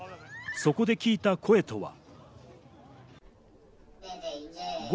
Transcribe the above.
そこで聞いた声とは。